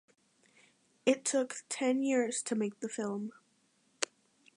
It took ten years to make the film.